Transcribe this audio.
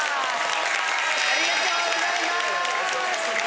ありがとうございます。